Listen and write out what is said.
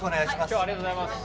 今日はありがとうございます。